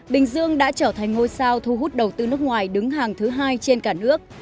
bình dương đã trở thành ngôi sao thu hút đầu tư nước ngoài đứng hàng thứ hai trên cả nước